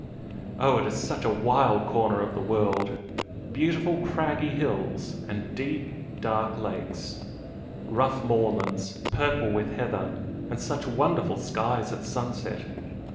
Oh, it is such a wild corner of the world! Beautiful craggy hills and dark, deep lakes rough moorlands purple with heather and such wonderful skies at sunset!